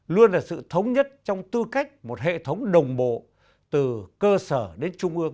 luôn là sự thống nhất trong tư cách một hệ thống đồng bộ từ cơ sở đến trung ương